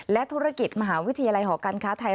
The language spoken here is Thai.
และธุรกิจมหาวิทยาลัยหอการค้าไทย